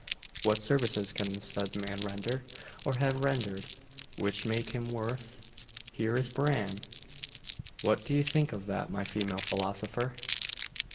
What services can the said man render, or have rendered, which make him worth Here is Bran!.... What do you think of that, my female philosopher?